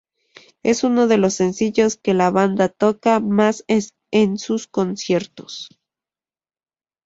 Es uno de los sencillos que la banda toca más en sus conciertos.